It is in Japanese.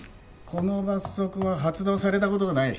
この罰則は発動されたことがない。